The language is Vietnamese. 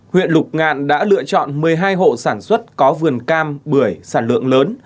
huyện lục ngạn đã lựa chọn một mươi hai hộ sản xuất có vườn cam bưởi sản lượng lớn